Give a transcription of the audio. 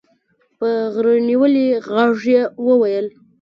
په غريو نيولي ږغ يې وويل.